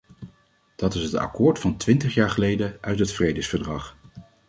Dat is het akkoord van twintig jaar geleden, uit het vredesverdrag.